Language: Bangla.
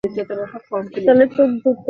এবং খুবই শক্তিশালী।